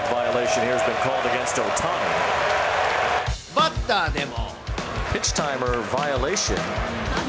バッターでも。